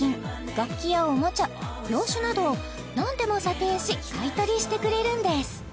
楽器やおもちゃ洋酒などなんでも査定し買い取りしてくれるんです